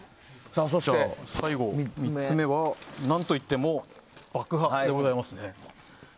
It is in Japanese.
最後、３つ目は何といっても爆破です。